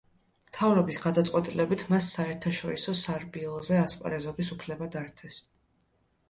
მთავრობის გადაწყვეტილებით მას საერთაშორისო სარბიელზე ასპარეზობის უფლება დართეს.